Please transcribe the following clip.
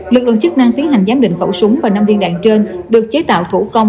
lực lượng chức năng tiến hành giám định khẩu súng và năm viên đạn trên được chế tạo thủ công